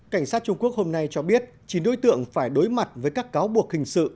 cảnh sát trung quốc hôm nay cho biết chín đối tượng phải đối mặt với các cáo buộc hình sự